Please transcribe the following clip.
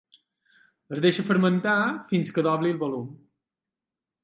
Es deixa fermentar fins que dobli el volum.